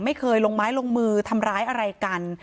ไม่เคยลงไม้ลงมือทำร้ายอะไรกัน